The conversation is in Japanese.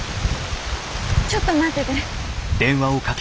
ちょっと待ってで。